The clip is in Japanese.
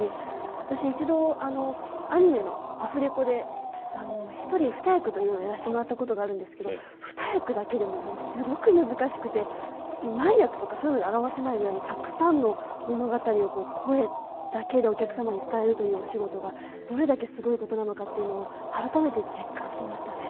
私一度アニメのアフレコで一人二役というのをやらせてもらったことがあるんですけど二役だけでももうすごく難しくて何役とかそういうので表せないぐらいのたくさんの物語を声だけでお客様に伝えるというお仕事がどれだけすごいことなのかっていうのを改めて実感しましたね。